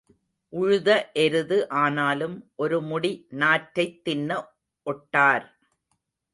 உழுத எருது ஆனாலும் ஒரு முடி நாற்றைத் தின்ன ஒட்டார்.